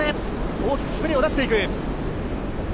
大きく滑りを出していく。